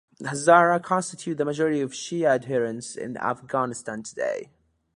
The Hazara constitute the majority of Shia adherents in Afghanistan today.